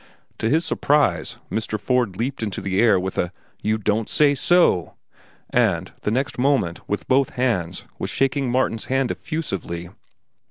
To his surprise, Mr. Ford leaped into the air with a "You don't say so!" and the next moment, with both hands, was shaking Martin's hand effusively.